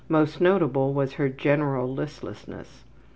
Most notable was her general listlessness.